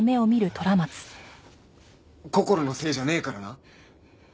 こころのせいじゃねえからな。